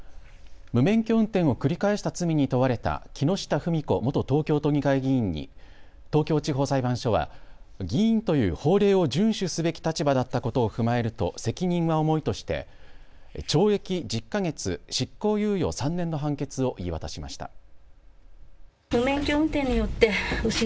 無免許運転を繰り返した罪に問われた木下富美子元東京都議会議員に東京地方裁判所は議員という法令を順守すべき立場だったことを踏まえると責任は重いとして懲役１０か月、執行猶予３年の判決を言い渡しました。